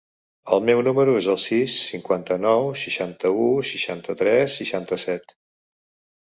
El meu número es el sis, cinquanta-nou, seixanta-u, seixanta-tres, seixanta-set.